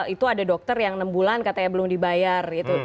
itu ada dokter yang enam bulan katanya belum dibayar